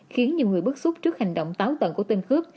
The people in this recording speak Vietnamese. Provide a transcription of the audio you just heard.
khiến nhiều người bức xúc trước hành động táo tận của tên cướp